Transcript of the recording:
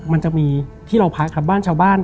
มันจะมีที่เราพักครับบ้านชาวบ้าน